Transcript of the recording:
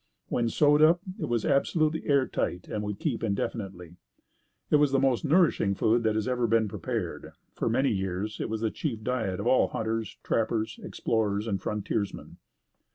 When sewed up, it was absolutely air tight and would keep indefinitely. It was the most nourishing food that has ever been prepared. For many years it was the chief diet of all hunters, trappers, explorers and frontiersmen.